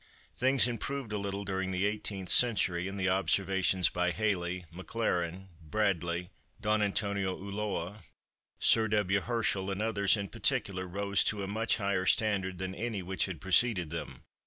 Things improved a little during the 18th century and the observations by Halley, Maclaurin, Bradley, Don Antonio Ulloa, Sir W. Herschel, and others in particular rose to a much higher standard than any which had preceded them.